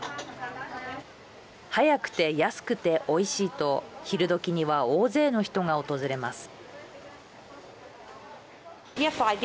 早くて、安くて、おいしいと昼どきには大勢の人が訪れます。